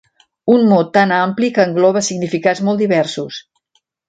Un mot tan ampli que engloba significats molt diversos.